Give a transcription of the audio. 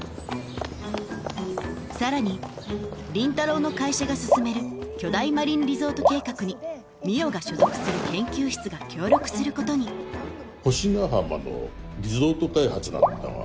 さらに倫太郎の会社が進める巨大マリンリゾート計画に海音が所属する研究室が協力することに星ヶ浜のリゾート開発なんだが。